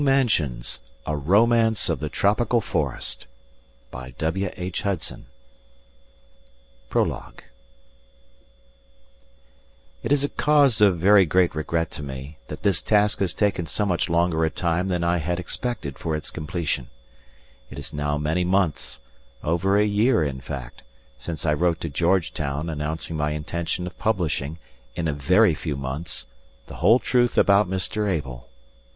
JOHN GALSWORTHY September 1915 Manaton: Devon GREEN MANSIONS PROLOGUE It is a cause of very great regret to me that this task has taken so much longer a time than I had expected for its completion. It is now many months over a year, in fact since I wrote to Georgetown announcing my intention of publishing, IN A VERY FEW MONTHS, the whole truth about Mr. Abel.